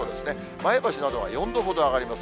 前橋などは４度ほど上がります。